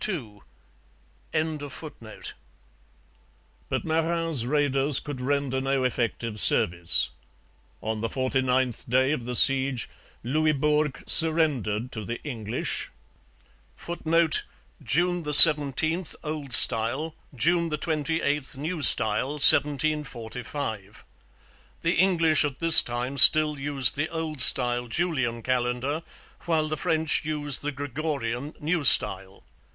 ii.] But Marin's raiders could render no effective service. On the forty ninth day of the siege Louisbourg surrendered to the English, [Footnote: June 17, Old Style, June 28, New Style, 1745. The English at this time still used the Old Style Julian calendar, while the French used the Gregorian, New Style.